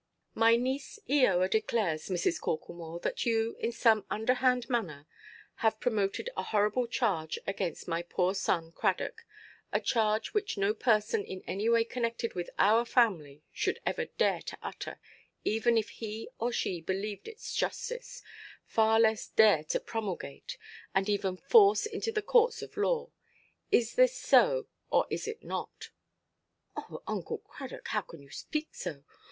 "My niece, Eoa, declares, Mrs. Corklemore, that you, in some underhand manner, have promoted a horrible charge against my poor son Cradock, a charge which no person in any way connected with our family should ever dare to utter, even if he or she believed its justice, far less dare to promulgate, and even force into the courts of law. Is this so, or is it not?" "Oh, Uncle Cradock, how can you speak so?